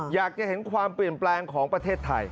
อยากจะเห็นความเปลี่ยนแปลงของประเทศไทย